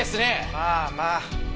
まあまあ。